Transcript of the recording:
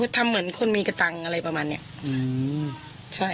ทำเหมือนคนมีกระตังค์อะไรประมาณนี้